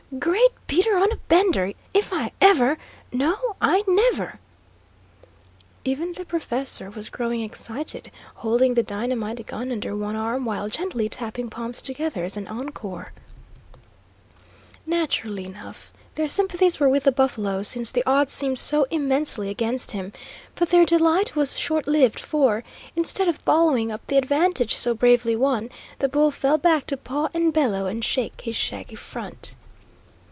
"Great Peter on a bender! If I ever no, I never!" Even the professor was growing excited, holding the dynamite gun under one arm while gently tapping palms together as an encore. Naturally enough, their sympathies were with the buffalo, since the odds seemed so immensely against him; but their delight was short lived, for, instead of following up the advantage so bravely won, the bull fell back to paw and bellow and shake his shaggy front.